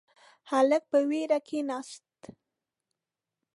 هلک په وېره کښیناست.